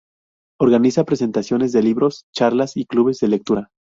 Organiza presentaciones de libros, charlas y clubes de lectura.